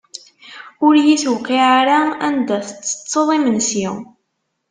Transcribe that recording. Ur yi-tewqiε ara anda tettetteḍ imensi.